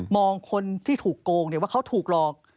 คนที่ถูกโกงว่าเขาถูกหลอก